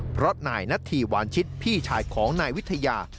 เพราะนายนาธีวานชิตพี่ชายของนายวิทยา